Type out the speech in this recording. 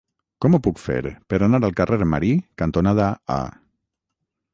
Com ho puc fer per anar al carrer Marí cantonada A?